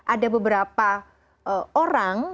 ada beberapa orang